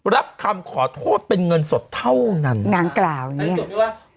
รับคำขอโทษเป็นเงินสดเท่านั้นค่ะนะครับอย่างกล่าวนี้นี้จบนี่ไหมว่า